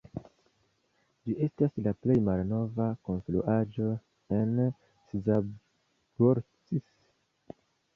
Ĝi estas la plej malnova konstruaĵo en Szabolcs.